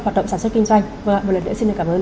hoạt động sản xuất kinh doanh vâng một lần nữa xin cảm ơn